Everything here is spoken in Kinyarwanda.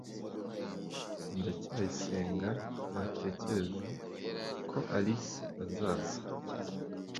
ndacyayisenga ntatekereza ko alice azaza